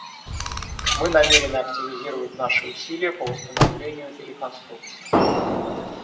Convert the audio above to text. Мы намерены активизировать наши усилия по восстановлению и реконструкции.